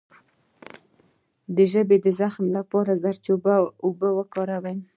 د ژبې د زخم لپاره د زردچوبې اوبه وکاروئ